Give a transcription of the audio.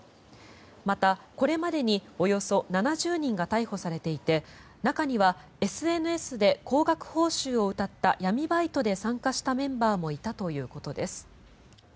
また、これまでにおよそ７０人が逮捕されていて中にはＳＮＳで高額報酬をうたった闇バイトで参加したメンバーもいたということです。